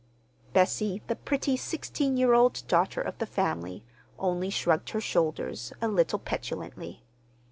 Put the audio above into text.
Bessie, the pretty, sixteen year old daughter of the family, only shrugged her shoulders a little petulantly.